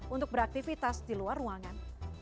untuk beraktivitas di luar ruangan